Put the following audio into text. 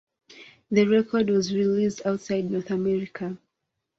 The record was released outside North America.